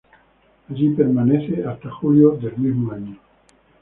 Allí permanece hasta julio del mismo año.